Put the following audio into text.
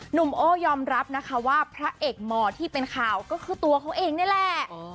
หนุ่มโอ้ยอมรับนะคะว่าพระเอกหมอที่เป็นข่าวก็คือตัวเขาเองนี่แหละ